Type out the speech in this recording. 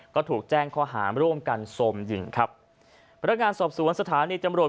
ก็ถูกแจ้งข้อคลาวห์ร่อมกันสมหญิงครับพนักงานสอบสวนสถานีจำโรช